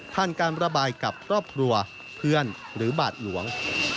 การระบายกับครอบครัวเพื่อนหรือบาทหลวง